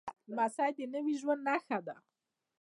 لمسی د نوي ژوند نښه ده.